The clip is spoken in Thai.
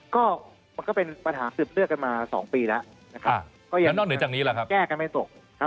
ก็มันก็เป็นปัญหาสืบเลือกกันมา๒ปีแล้วนะครับก็ยังแก้กันไม่ตกครับ